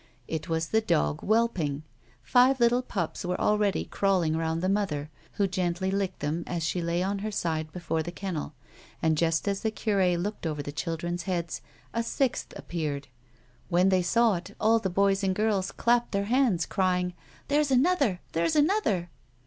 It was the dog whelping ; five little pups were already crawling round the mother, who gently licked them as she lay on her side before the kennel, and just as the cur^ looked over the children's heads, a sixth appeared. "When they saw it, all the boys and girls clapped their hands, crying :" There's another ! There's another